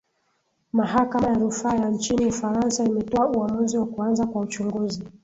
mahakama ya rufaa ya nchini ufaransa imetoa uamuzi wa kuanza kwa uchunguzi